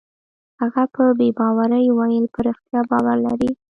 هغه په بې باورۍ وویل: په رښتیا باور لرې؟